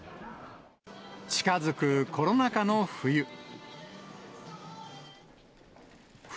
近づくコロナ禍の冬。